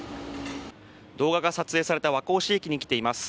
動画が撮影された和光市駅に来ています。